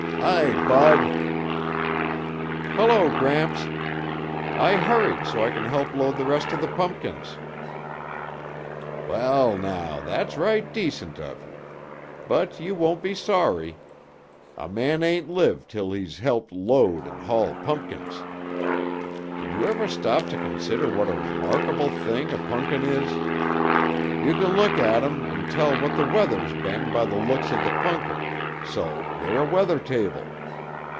"Hi, Bud." "Hello, Gramps. I hurried so I can help load the rest of the pumpkins." "Well now, that's right decent of you. But you won't be sorry. A man ain't lived 'til he's helped load and haul punkins. Did you ever stop to consider what a remarkable thing a punkin is? You can look at 'em and tell what the weather's been by the looks of the punkin, so they're a weather table.